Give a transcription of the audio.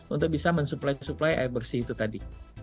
untuk bisa mensuplai suplai air bersih itu tadi